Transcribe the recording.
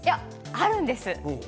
あるんです。